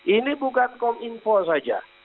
ini bukan kominfo saja